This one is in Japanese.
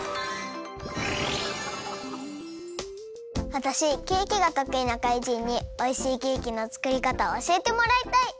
わたしケーキがとくいな怪人においしいケーキのつくりかたをおしえてもらいたい！